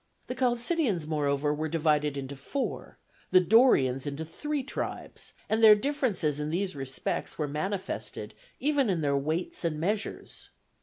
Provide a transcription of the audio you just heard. The Chalcidians, moreover, were divided into four, the Dorians into three tribes, and their differences in these respects were manifested even in their weights and measures.